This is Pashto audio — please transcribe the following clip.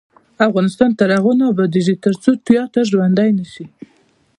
افغانستان تر هغو نه ابادیږي، ترڅو تیاتر ژوندی نشي.